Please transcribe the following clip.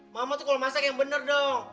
mama tuh kalau masak yang benar dong